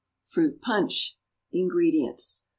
=Fruit Punch.= INGREDIENTS.